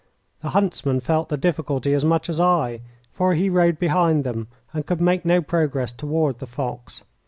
The huntsman felt the difficulty as much as I, for he rode behind them, and could make no progress toward the fox.